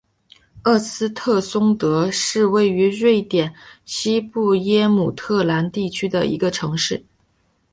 厄斯特松德是位于瑞典西部耶姆特兰地区的一个城市。